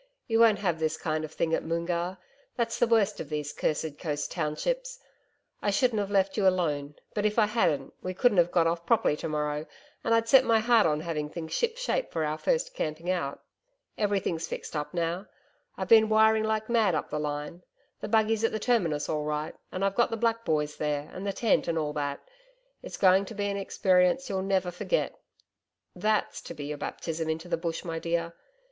You won't have this kind of thing at Moongarr. That's the worst of these cursed coast townships. I shouldn't have left you alone, but if I hadn't, we couldn't have got off properly to morrow, and I'd set my heart on having things ship shape for our first camping out. Everything's fixed up now I've been wiring like mad up the line .... The buggy's at the Terminus all right, and I've got the black boys there, and the tent and all that. It's going to be an experience you'll never forget. THAT'S to be your baptism into the Bush, my dear